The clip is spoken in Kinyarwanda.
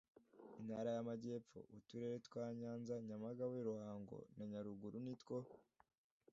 Intara y Amajyepfo Uturere twa Nyanza Nyamagabe Ruhango na Nyaruguru nitwo